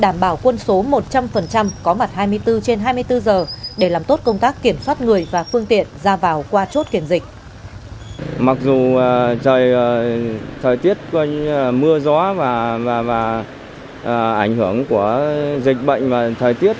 mặc dù trời thời tiết mưa gió và ảnh hưởng của dịch bệnh và thời tiết